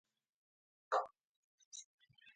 فىزىكا ئالىمى: ھازىر؟ گۇمانلانغۇچى: دۇرۇس، دەل ھازىر.